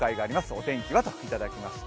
お天気は？という質問をいただきました。